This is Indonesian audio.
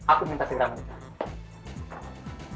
aku minta segera menikah